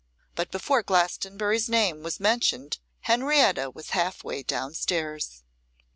But before Glastonbury's name was mentioned Henrietta was half way down stairs.